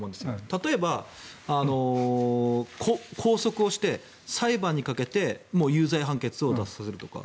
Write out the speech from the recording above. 例えば、拘束をして裁判にかけて有罪判決を出すとか。